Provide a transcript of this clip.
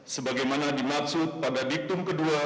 sebagaimana dimaksud pada diktum kedua